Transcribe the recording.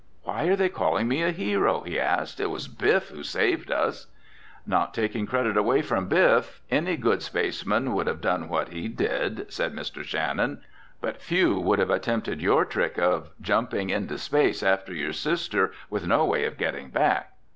"Why are they calling me a hero?" he asked. "It was Biff who saved us!" "Not taking credit away from Biff, any good spaceman would have done what he did," said Mr. Shannon. "But few would have attempted your trick of jumping into space after your sister with no way of getting back.